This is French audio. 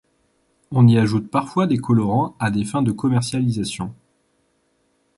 On y ajoute parfois des colorants à des fins de commercialisation.